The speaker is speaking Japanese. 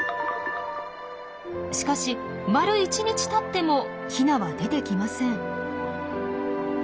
しかし丸１日たってもヒナは出てきません。